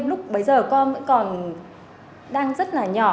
lúc bấy giờ con vẫn còn đang rất là nhỏ